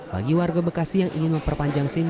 bagi warga bekasi yang ingin memperpanjang sim